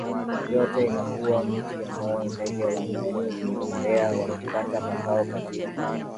yote Inakuwa mti ambao ndege wanauendea wakipata makao katika